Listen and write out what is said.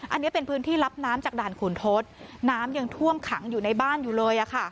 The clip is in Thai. อันนี้เป็นพื้นที่รับน้ำจากด่านขุนทศน้ำยังท่วมขังอยู่ในบ้านอยู่เลย